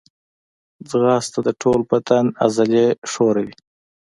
ځغاسته د ټول بدن عضلې ښوروي